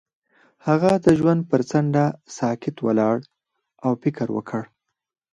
هغه د ژوند پر څنډه ساکت ولاړ او فکر وکړ.